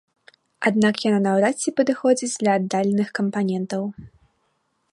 Аднак яна наўрад ці падыходзіць для аддаленых кампанентаў.